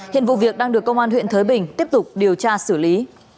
hiện vụ việc đang được công an huyện thới bình tiếp tục điều tra xử lý